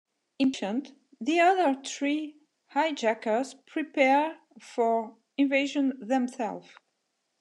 Impatient, the other three hijackers prepare for invasion themselves.